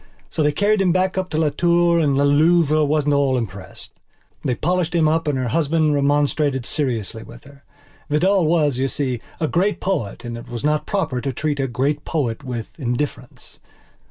So they carried him back to Las Tours and La Louve wasn't at all impressed. They polished him up and her husband remonstrated seriously with her. Vidal was, you see, a great poet and it was not proper to treat a great poet with indifference.